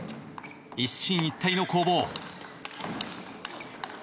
一進一退の攻防。